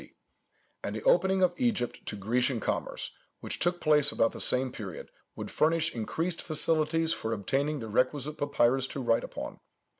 C. 1); and the opening of Egypt to Grecian commerce, which took place about the same period, would furnish increased facilities for obtaining the requisite papyrus to write upon.